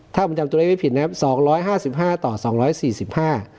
ถ้าผมจำตัวเลขไม่ผิดนะครับสองร้อยห้าสิบห้าต่อสองร้อยสี่สิบห้า